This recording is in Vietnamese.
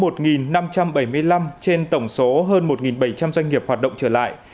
trên tổng số hơn một bảy trăm linh doanh nghiệp hoạt động trở lại